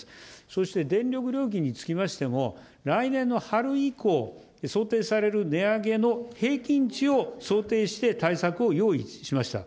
そして、電力料金につきましても、来年の春以降、想定される値上げの平均値を想定して、対策を用意しました。